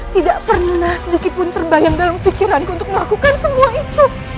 tidak pernah sedikit pun terbayang dalam pikiranku untuk mengakukan semua itu